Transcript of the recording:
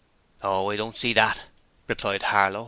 'Oh, I don't see that.' replied Harlow.